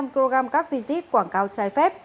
ba mươi năm kg các visit quảng cáo chai